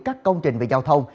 các công trình về giao thông